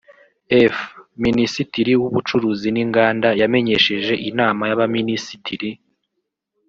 f) Minisitiri w’Ubucuruzi n’Inganda yamenyesheje Inama y’Abaminisitiri